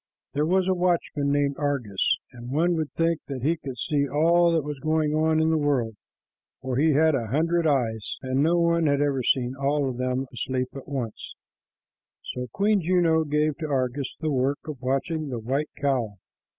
There was a watchman named Argus, and one would think that he could see all that was going on in the world, for he had a hundred eyes, and no one had ever seen them all asleep at once, so Queen Juno gave to Argus the work of watching the white cow.